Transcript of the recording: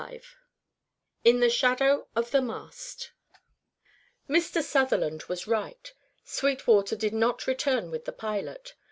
XXIV IN THE SHADOW OP THE MAST Mr. Sutherland was right. Sweetwater did not return with the pilot.